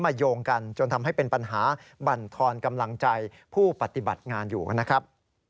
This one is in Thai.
โยงกันจนทำให้เป็นปัญหาบรรทอนกำลังใจผู้ปฏิบัติงานอยู่นะครับ